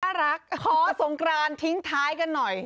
รักขอสงกรานทิ้งท้ายกันหน่อย